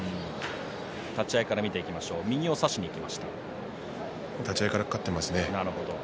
立ち合いから見ていきましょう立ち合いから勝っていますね。